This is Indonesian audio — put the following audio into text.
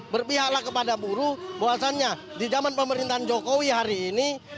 berpihaklah kepada buruh bahwasannya di zaman pemerintahan jokowi hari ini